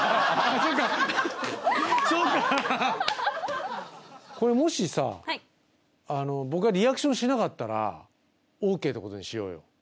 そうかそうかこれもしさ僕がリアクションしなかったらオーケーってことにしようよ